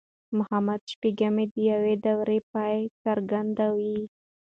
محمد شپږم د يوې دورې پای څرګندوي.